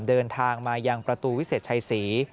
เดินทางมายังประตูวิเศษชัยศรี